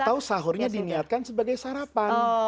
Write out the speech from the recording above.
atau sahurnya diniatkan sebagai sarapan